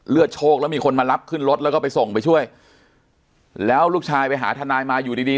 โชคแล้วมีคนมารับขึ้นรถแล้วก็ไปส่งไปช่วยแล้วลูกชายไปหาทนายมาอยู่ดีดี